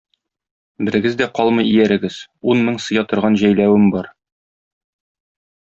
Берегез дә калмый иярегез, ун мең сыя торган җәйләвем бар.